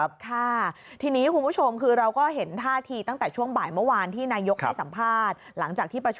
ไม่ใช่ให้มากัดกัน